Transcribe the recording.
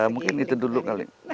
mungkin itu dulu kali